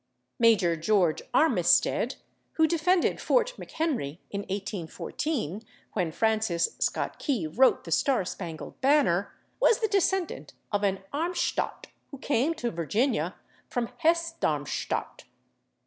Major George [Pg274] /Armistead/, who defended Fort McHenry in 1814, when Francis Scott Key wrote "The Star Spangled Banner," was the descendant of an /Armstädt/ who came to Virginia from Hesse Darmstadt.